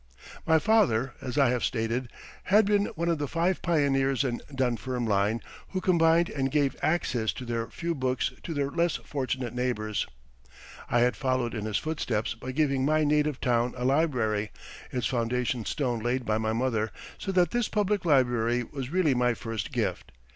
My father, as I have stated, had been one of the five pioneers in Dunfermline who combined and gave access to their few books to their less fortunate neighbors. I had followed in his footsteps by giving my native town a library its foundation stone laid by my mother so that this public library was really my first gift.